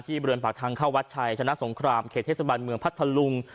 บริเวณปากทางเข้าวัดชัยชนะสงครามเขตเทศบาลเมืองพัทธลุง